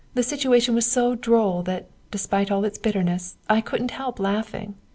"The situation was so droll that, despite all its bitterness, I couldn't help laughing.